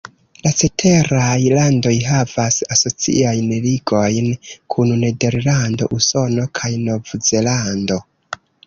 La ceteraj landoj havas asociajn ligojn kun Nederlando, Usono kaj Nov-Zelando.